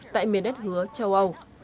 tại miền đất hứa châu âu